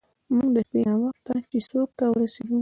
موږ د شپې ناوخته چیسوک ته ورسیدو.